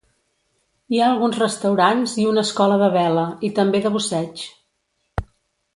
Hi ha alguns restaurants i una escola de vela i també de busseig.